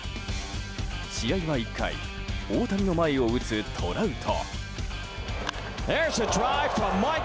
試合は１回大谷の前を打つトラウト。